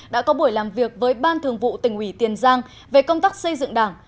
đã có buổi làm việc với ban thường vụ tỉnh ủy tiền giang về công tác xây dựng đảng